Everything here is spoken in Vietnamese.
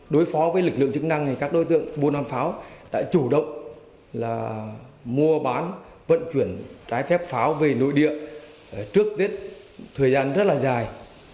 đối phó với lực lượng chức năng các đối tượng buôn bán pháo đã chủ động mua bán vận chuyển trái phép pháo về nội địa trước tết thời gian rất là dài